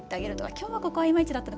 今日はここはいまいちだったね